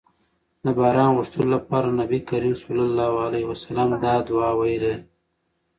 د باران غوښتلو لپاره نبي کريم صلی الله علیه وسلم دا دعاء ويلي